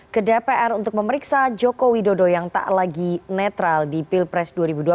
ke dpr untuk memeriksa joko widodo yang tak lagi netral di pilpres dua ribu dua puluh